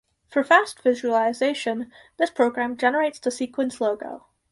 For fast visualization, this program generates the sequence logo.